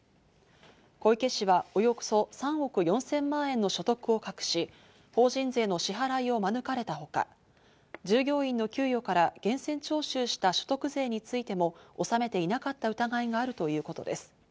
小池氏はおよそ３億４０００万円の所得を隠し、法人税の支払いを免れたほか、従業員の給与から源泉徴収した所得税についても納めていなかった疑いがあるということです。